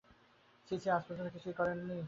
ছি, ছি, আজ পর্যন্ত কিছুই করেননি?